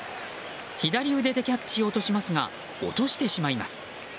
左腕でキャッチしようとしますが落としてしまいます。